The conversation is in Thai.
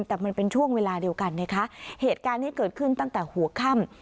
แต่มันเป็นช่วงเวลาเดียวกันนะคะเหตุการณ์ที่เกิดขึ้นตั้งแต่หัวค่ำ